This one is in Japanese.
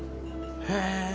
へえ